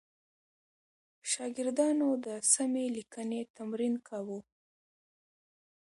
شاګردانو د سمې لیکنې تمرین کاوه.